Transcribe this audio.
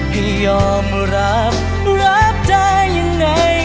พี่ยอมรับรับได้ยังไง